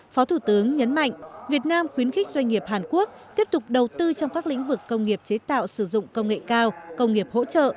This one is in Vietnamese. phó thủ tướng nhấn mạnh việt nam khuyến khích doanh nghiệp hàn quốc tiếp tục đầu tư trong các lĩnh vực công nghiệp chế tạo sử dụng công nghệ cao công nghiệp hỗ trợ